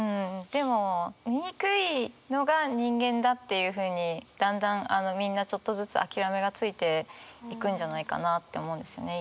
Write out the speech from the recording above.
でも醜いのが人間だっていうふうにだんだんみんなちょっとずつ諦めがついていくんじゃないかなって思うんですよね